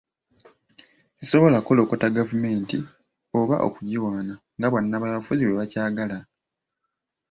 sisobola kukolokota gavumenti oba okugiwaana nga bannabyabufuzi bwe bakyagala